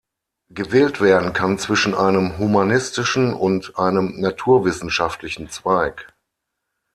Gewählt werden kann zwischen einem humanistischen und einem naturwissenschaftlichen Zweig.